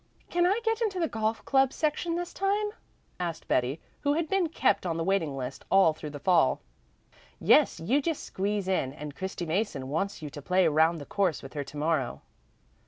"Can I get into the golf club section this time?" asked Betty, who had been kept on the waiting list all through the fall. "Yes, you just squeeze in, and Christy Mason wants you to play round the course with her to morrow."